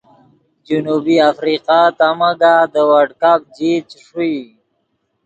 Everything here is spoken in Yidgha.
جنوبی آفریقہ تا مگاہ دے ورلڈ کپ جیت چے ݰوئی